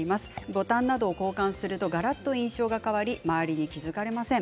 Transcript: ボタンなどを交換するとがらっと印象が変わり周りに気付かれません。